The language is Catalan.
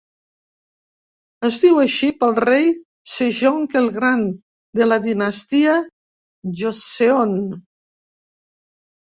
Es diu així pel rei Sejong el Gran de la dinastia Joseon.